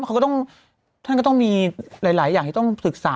เขาก็ต้องท่านก็ต้องมีหลายอย่างที่ต้องศึกษา